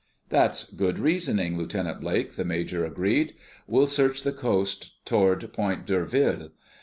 "That's good reasoning, Lieutenant Blake," the major agreed. "We'll search the coast toward Point D'Urville.